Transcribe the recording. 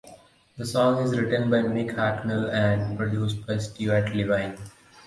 The song is written by Mick Hucknall and produced by Stewart Levine.